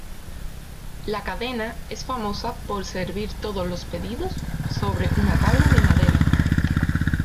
La cadena es famosa por servir todos los pedidos sobre una tabla de madera.